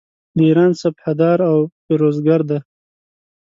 د ایران سپهدار او پیروزګر دی.